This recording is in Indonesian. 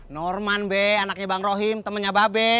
norman be anaknya bang rohim temennya ba be